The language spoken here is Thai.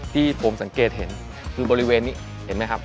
ที่ผมสังเกตเห็นคือบริเวณนี้เห็นไหมครับ